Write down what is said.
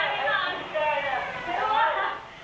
สวัสดีครับ